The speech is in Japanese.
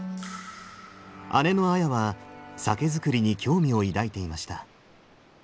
姉の綾は酒造りに興味を抱いていました。